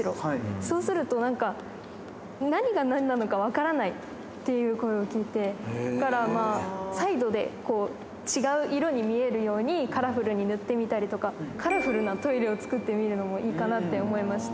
そうするとなんか、何がなんなのか分からないっていう声を聞いて、だから彩度で違う色に見えるように、カラフルに塗ってみたりとか、カラフルなトイレを作ってみるのもいいかなって思いました。